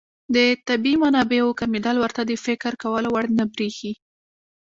د طبیعي منابعو کمېدل ورته د فکر کولو وړ نه بريښي.